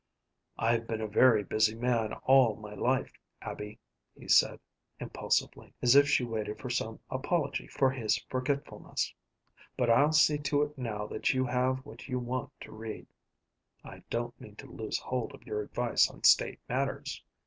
"I've been a very busy man all my life, Abby," he said impulsively, as if she waited for some apology for his forgetfulness, "but I'll see to it now that you have what you want to read. I don't mean to lose hold of your advice on state matters."